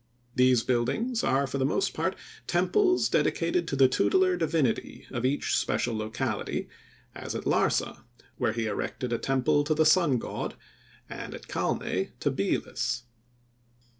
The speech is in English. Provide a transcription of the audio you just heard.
These buildings are, for the most part, temples dedicated to the tutelar divinity of each special locality, as at Larsa, where he erected a temple to the Sun God, and at Calneh to Belus.